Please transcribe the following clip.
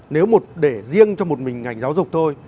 nếu mà để riêng cho một mình ngành giáo dục thôi